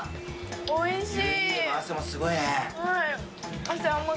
おいしい。